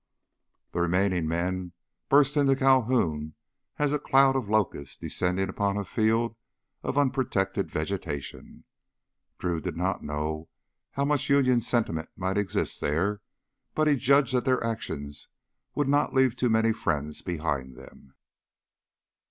The remaining men burst into Calhoun as a cloud of locusts descending on a field of unprotected vegetation. Drew did not know how much Union sentiment might exist there, but he judged that their actions would not leave too many friends behind them.